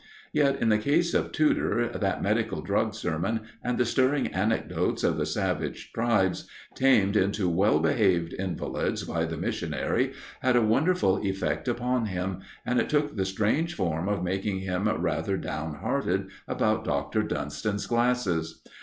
Yet, in the case of Tudor, that Medical Drug sermon, and the stirring anecdotes of the savage tribes, tamed into well behaved invalids by the Missionary, had a wonderful effect upon him, and it took the strange form of making him rather down hearted about Dr. Dunston's glasses.